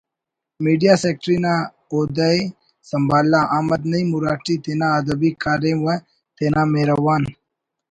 media secretary نا عہد ءِ سنبھالا احمد نعیم اُراٹی تینا ادبی کاریم و تینا مہروان